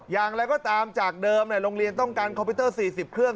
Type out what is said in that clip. อย่างไรก็ตามจากเดิมโรงเรียนต้องการคอมพิวเตอร์๔๐เครื่อง